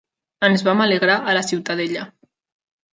Ens vam alegrar a la ciutadella.